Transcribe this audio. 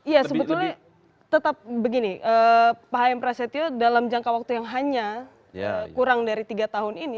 iya sebetulnya tetap begini pak hm prasetyo dalam jangka waktu yang hanya kurang dari tiga tahun ini